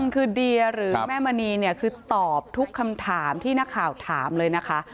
คือเดียหรือแม่มณีเนี่ยคือตอบทุกคำถามที่นักข่าวถามเลยนะคะ